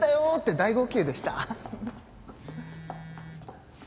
大号泣でした。